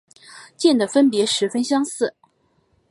间的分别十分相似。